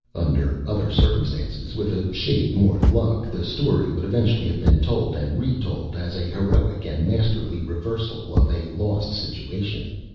Under other circumstances, with a shade more luck, the story would eventually have been told and retold as a heroic and masterly reversal of a lost situation.